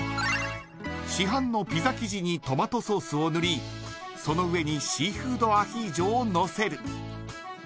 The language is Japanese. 市販のピザ生地にトマトソースを塗りその上にシーフードアヒージョをのせる。